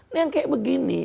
yang seperti ini